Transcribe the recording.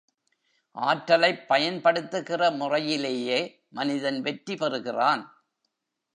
ஆற்றலைப் பயன்படுத்துகிற முறையிலேயே மனிதன் வெற்றி பெறுகிறான்.